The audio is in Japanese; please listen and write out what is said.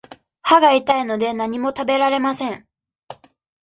歯が痛いので、何も食べられません。